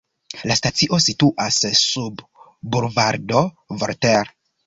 La stacio situas sub Bulvardo Voltaire.